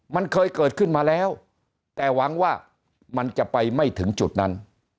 มันเคยเกิดขึ้นมาแล้วแต่หวังว่ามันจะไปไม่ถึงจุดนั้น